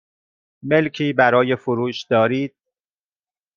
ملکی برای فروش دارید؟